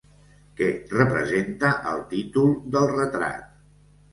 Què representa el títol del retrat?